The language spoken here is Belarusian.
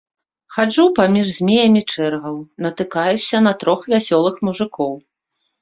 Хаджу паміж змеямі чэргаў, натыкаюся на трох вясёлых мужыкоў.